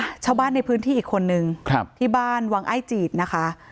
ชาวบ้านในพื้นที่อีกคนนึงครับที่บ้านวังไอ้จีดนะคะ